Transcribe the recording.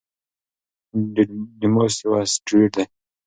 ډیډیموس یو اسټروېډ دی.